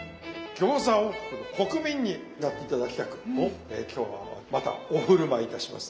餃子王国の国民になって頂きたく今日はまたお振る舞いいたします。